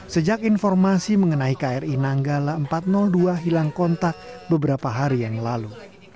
sejak informasi mengenai kri nanggala empat ratus dua hilang kontak beberapa hari yang lalu